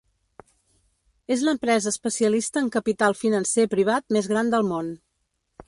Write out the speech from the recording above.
És l'empresa especialista en capital financer privat més gran del món.